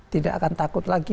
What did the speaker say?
tidak akan takut lagi